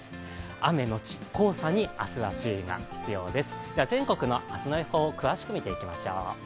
雨のち黄砂に明日は注意が必要です。